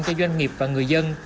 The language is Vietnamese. cho doanh nghiệp và người dân